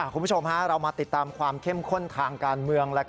คุณผู้ชมเรามาติดตามความเข้มข้นทางการเมือง